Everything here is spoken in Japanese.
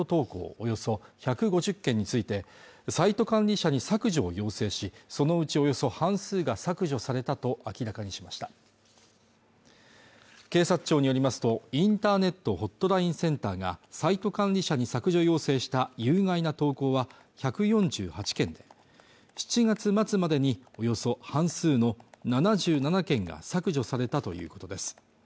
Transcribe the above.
およそ１５０件についてサイト管理者に削除を要請しそのうちおよそ半数が削除されたと明らかにしました警察庁によりますとインターネット・ホットラインセンターがサイト管理者に削除要請した有害な投稿は１４８件で７月末までにおよそ半数の７７件が削除されたということです